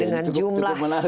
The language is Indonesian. ya cukup menarik sebenarnya